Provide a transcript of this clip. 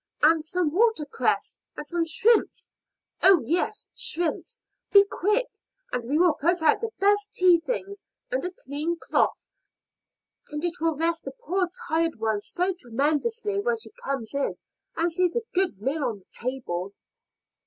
and some water cress, and some shrimps oh, yes, shrimps! Be quick! And we will put out the best tea things, and a clean cloth; and it will rest the poor tired one so tremendously when she comes in and sees a good meal on the table."